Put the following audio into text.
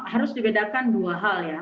harus dibedakan dua hal ya